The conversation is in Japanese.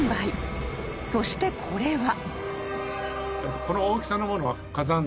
［そしてこれは］